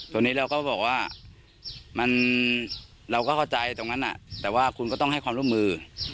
ตรงนี้เราก็บอกว่าเราก็เข้าใจตรงนั้นแต่ว่าคุณก็ต้องให้ความร่วมมือ